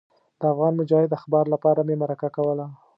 د افغان مجاهد اخبار لپاره مې مرکه کوله.